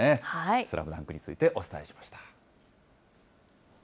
スラムダンクについてお伝えしました。